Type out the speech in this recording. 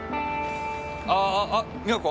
あああっ美和子？